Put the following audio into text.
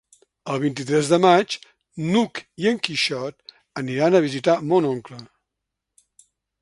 El vint-i-tres de maig n'Hug i en Quixot aniran a visitar mon oncle.